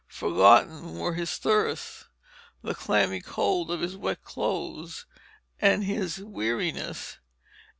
Forgotten were his thirst, the clammy cold of his wet clothes and his weariness.